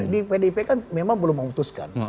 di pdip kan memang belum memutuskan